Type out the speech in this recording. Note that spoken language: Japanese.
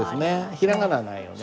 ひらがなはないよね。